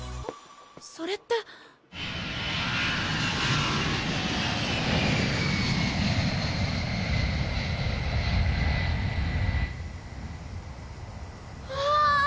それってわぁ！